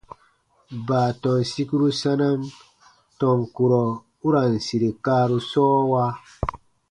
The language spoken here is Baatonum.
Baatɔn sikuru sanam tɔn kurɔ u ra n sire kaaru sɔɔwa.